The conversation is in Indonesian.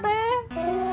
kamu kenapa nangis